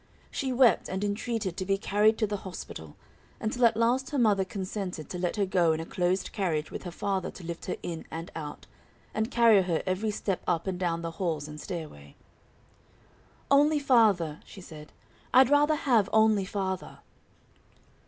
She wept, and entreated to be carried to the hospital, until at last her mother consented to let her go in a closed carriage with her father to lift her in and out, and carry her every step up and down the halls and stairway. "Only father," she said: "I'd rather have only father."